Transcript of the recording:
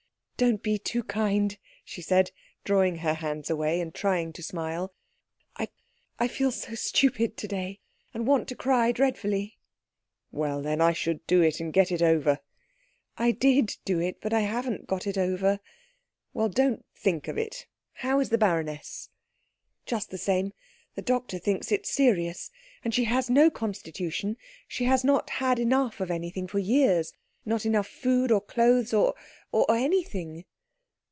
"Don't be too kind," she said, drawing her hands away and trying to smile. "I I feel so stupid to day, and want to cry dreadfully." "Well then, I should do it, and get it over." "I did do it, but I haven't got it over." "Well, don't think of it. How is the baroness?" "Just the same. The doctor thinks it serious. And she has no constitution. She has not had enough of anything for years not enough food, or clothes, or or anything."